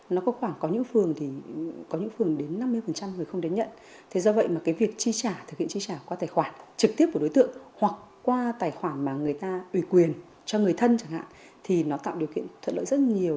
người ta ủy quyền cho người thân chẳng hạn thì nó tạo điều kiện thuận lợi rất nhiều